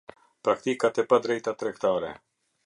Praktikat e padrejta tregtare.